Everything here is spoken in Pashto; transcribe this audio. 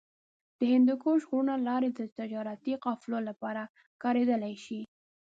د هندوکش غرونو لارې د تجارتي قافلو لپاره کارېدلې دي.